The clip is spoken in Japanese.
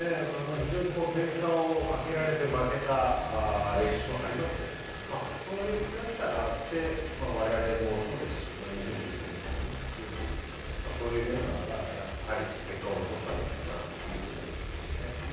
非常に点差を開けられて負けた歴史もありますけどもそういう悔しさがあって我々もそうですし２０１９年のメンバーもそうですしそういうメンバーがやはり結果を残せたんじゃないかなというふうに思いますよね。